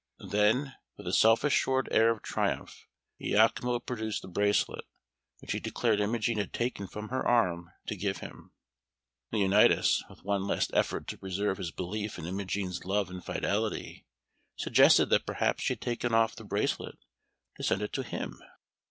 Then, with a self assured air of triumph, Iachimo produced the bracelet, which he declared Imogen had taken from her arm to give him. Leonatus, with one last effort to preserve his belief in Imogen's love and fidelity, suggested that perhaps she had taken off the bracelet to send it to him.